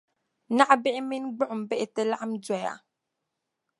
naɣibihi mini gbuɣimbihi ti laɣim doya.